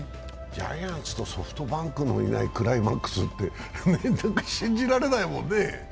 ジャイアンツとソフトバンクのいないクライマックスって信じられないもんね。